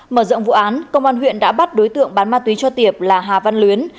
mở rộng vụ án công an huyện đã bắt đối tượng bán ma túy cho tiệp là hà văn luyến